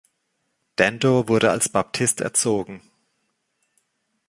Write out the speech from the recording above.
Dando wurde als Baptist erzogen.